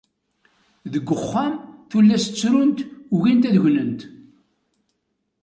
Deg uxxam, tullas ttrunt ugint ad gnent.